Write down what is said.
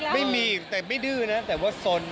ไม่มีแต่ไม่ดื้อนะแต่ว่าสน